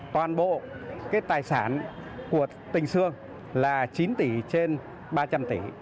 tình xương là chín tỷ trên ba trăm linh tỷ